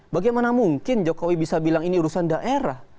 bagaimana mungkin jokowi bisa bilang ini urusan daerah